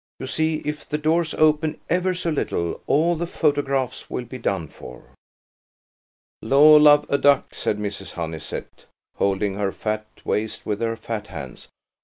"You see, if the door's open ever so little, all the photographs will be done for." "Law, love a duck!" said Mrs. Honeysett, holding her fat waist with her fat hands.